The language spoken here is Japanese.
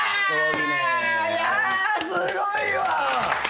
いやすごいわ！